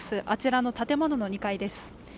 あちらの建物の２階です。